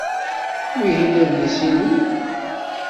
Wihin d adlis-inu?